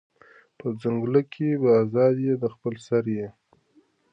په ځنگله کی به آزاد یې د خپل سر یې